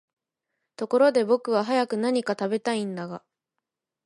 ところで僕は早く何か喰べたいんだが、